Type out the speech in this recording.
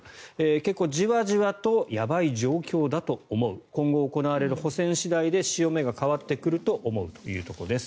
結構じわじわとやばい状況だと思う今後行われる補選次第で潮目が変わってくると思うということです。